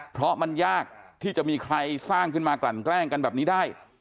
เพราะมันยากที่จะมีใครสร้างขึ้นมากลั่นแกล้งกันแบบนี้ได้